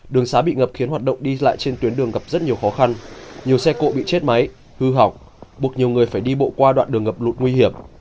đường xá bị ngập khiến hoạt động đi lại trên tuyến đường gặp rất nhiều khó khăn nhiều xe cộ bị chết máy hư hỏng buộc nhiều người phải đi bộ qua đoạn đường ngập lụt nguy hiểm